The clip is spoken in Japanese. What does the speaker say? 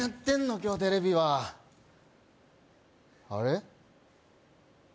今日テレビはあれ？